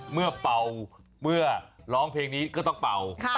เป่าเมื่อร้องเพลงนี้ก็ต้องเป่า